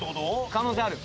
可能性ある。